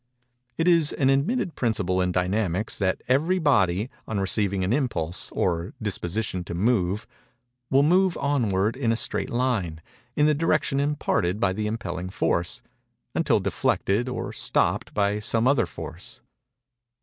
It is an admitted principle in Dynamics that every body, on receiving an impulse, or disposition to move, will move onward in a straight line, in the direction imparted by the impelling force, until deflected, or stopped, by some other force.